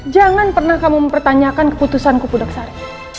jangan pernah kamu mempertanyakan keputusan ku pudaksari